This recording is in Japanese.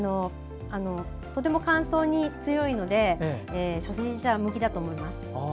とても乾燥に強いので初心者向きだと思います。